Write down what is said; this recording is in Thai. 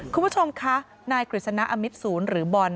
คุณผู้ชมคะนายกฤษณะอมิตศูนย์หรือบอล